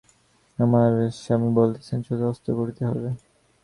আমার স্বামী বলিতেছেন, চোখে অস্ত্র করিতে হইবে।